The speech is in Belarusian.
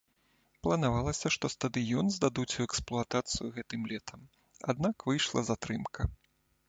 Планавалася, што стадыён здадуць у эксплуатацыю гэтым летам, аднак выйшла затрымка.